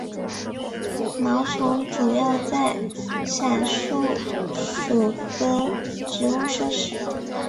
毛虫主要在伞树属的植物摄食。